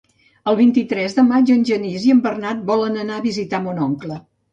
El vint-i-tres de maig en Genís i en Bernat volen anar a visitar mon oncle.